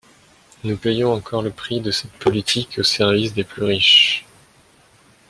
Nous payons encore le prix de cette politique au service des plus riches.